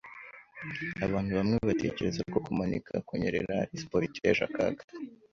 Abantu bamwe batekereza ko kumanika kunyerera ari siporo iteje akaga.